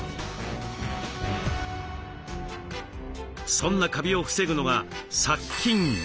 そんなカビを防ぐのが殺菌。